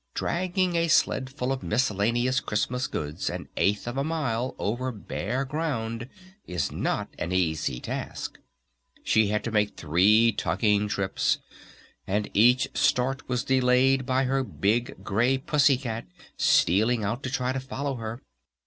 Dragging a sledful of miscellaneous Christmas goods an eighth of a mile over bare ground is not an easy task. She had to make three tugging trips. And each start was delayed by her big gray pussy cat stealing out to try to follow her.